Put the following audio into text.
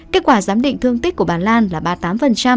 kết quả giám định thương tích của bà lan là ba mươi tám